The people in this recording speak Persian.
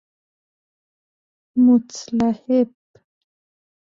متلهب